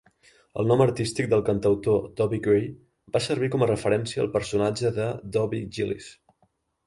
El nom artístic del cantautor Dobie Gray va servir com a referència al personatge de Dobie Gillis.